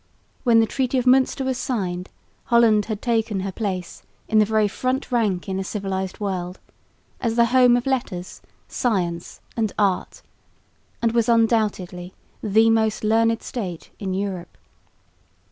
When the treaty of Münster was signed, Holland had taken her place in the very front rank in the civilised world, as the home of letters, science and art, and was undoubtedly the most learned state in Europe.